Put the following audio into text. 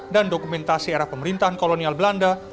dan dokumentasi era pemerintahan kolonial belanda